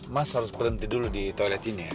mas harus berhenti dulu di toilet ini ya